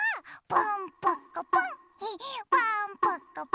ポンポコポン！